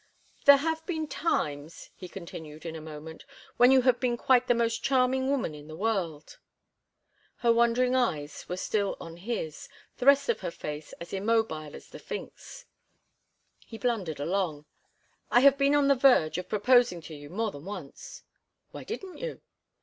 "There have been times," he continued in a moment, "when you have been quite the most charming woman in the world." Her wondering eyes were still on his, the rest of her face as immobile as the Sphinx. He blundered along. "I have been on the verge of proposing to you more than once." "Why didn't you?"